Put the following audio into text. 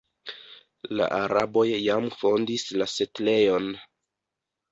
La araboj jam fondis la setlejon.